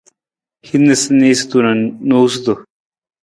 Hin niisaniisatu na noosutu.